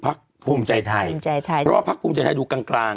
ภูมิใจไทยภูมิใจไทยเพราะว่าพักภูมิใจไทยดูกลางกลาง